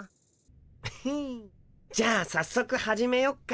フフンじゃあさっそく始めよっか。